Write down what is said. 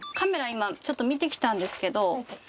今、ちょっと見てきたんですけど。